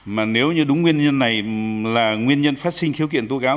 mà nếu như đúng nguyên nhân này là nguyên nhân phát sinh khiếu kiện tố cáo